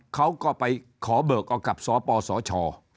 เขาก็ไปขอเบิกเอากับสปสช